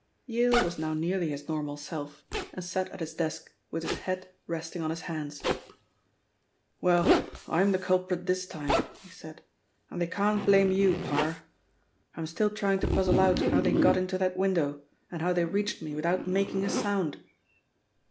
Yale was now nearly his normal self, and sat at his desk with his head resting on his hands. "Well, I'm the culprit this time," he said, "and they can't blame you, Parr. I'm still trying to puzzle out how they got into that window, and how they reached me without making a sound."